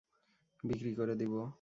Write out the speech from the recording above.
বিক্রি করে দিব।